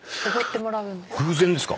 偶然ですか？